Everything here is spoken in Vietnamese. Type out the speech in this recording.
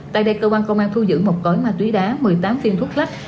tại đây cơ quan công an thu giữ một cõi má túy đá một mươi tám phiên thuốc lách